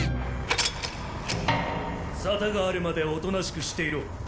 沙汰があるまでおとなしくしていろ。